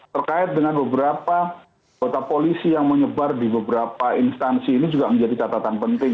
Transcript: terkait dengan beberapa kota polisi yang menyebar di beberapa instansi ini juga menjadi catatan penting